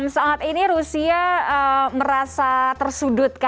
saat ini rusia merasa tersudut